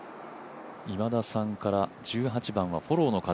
今田さんから、１８番はフォローの風。